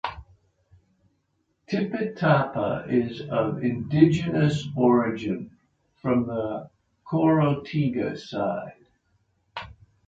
Tipitapa is of indigenous origin, from the Chorotega side.